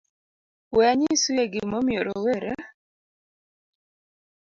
We anyisue gimomiyo rowere